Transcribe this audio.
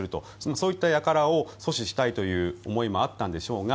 そういったやからを阻止したいという思いもあったんでしょうが